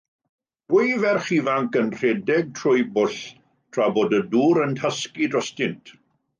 Dwy ferch ifanc yn rhedeg trwy bwll tra bod y dŵr yn tasgu drostynt.